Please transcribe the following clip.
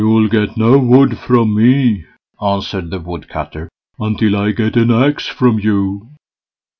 "You'll get no wood from me", answered the Woodcutter, "until I get an axe from you."